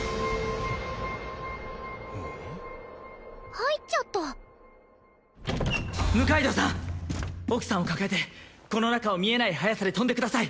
入っちゃった六階堂さん奥さんを抱えてこの中を見えない速さで飛んでください